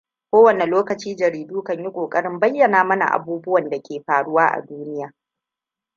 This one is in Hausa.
Kowane lokaci jaridu kan yi ƙoƙarin bayyana mana abubuwan da ke faruwa a duniya.